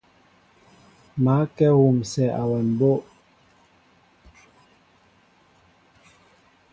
Ma kɛ wusɛ awem mbóʼ.